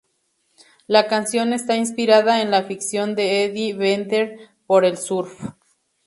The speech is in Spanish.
La canción está inspirada en la afición de Eddie Vedder por el surf.